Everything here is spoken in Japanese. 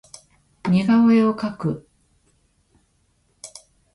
似顔絵を描く